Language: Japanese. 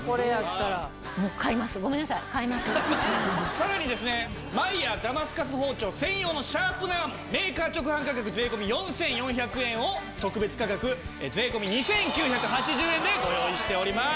さらにですねマイヤーダマスカス包丁専用のシャープナーメーカー直販価格税込４４００円を特別価格税込２９８０円でご用意しております。